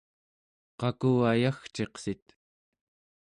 qaku ayagciqsit?